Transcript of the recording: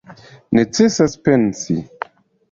Necesas pensi.